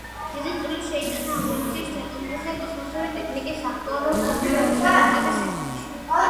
დიდი წვლილი შეიტანა ავიაციის, ატომური და კოსმოსური ტექნიკის აქტუალური პრობლემების გადაწყვეტის საქმეში.